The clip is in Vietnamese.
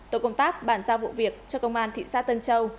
tổ công tác bàn giao vụ việc cho công an thị xã tân châu